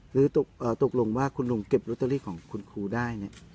หรือตกลงว่าคุณลุงเก็บลอตเตอรี่ของคุณครูได้เนี่ย